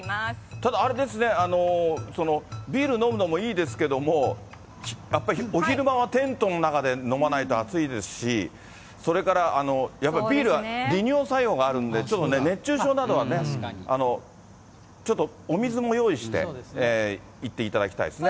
ただ、あれですね、ビール飲むのもいいですけども、やっぱり、お昼間はテントの中で飲まないと暑いですし、それからやっぱり、ビールは利尿作用があるんで、ちょっとね、熱中症などはちょっとお水も用意して行っていただきたいですね。